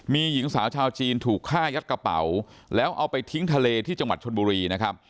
มีหญิงสาวชาวจีนถูกฆ่ายัดกระเป๋าแล้วเอาไปทิ้งทะเลที่จังหวัดชนบุรีนะครับ